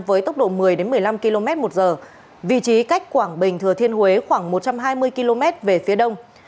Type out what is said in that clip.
với tốc độ một mươi một mươi năm km một giờ vị trí cách quảng bình thừa thiên huế khoảng một trăm hai mươi km về phía đông